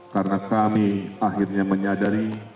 karena kami akhirnya menyadari